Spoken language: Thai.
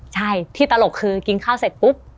ใช่ที่ตลกคือกินข้าวเสร็จปุ๊บ